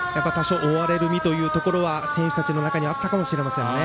追われる身というのは選手たちの中にはあったかもしれませんね。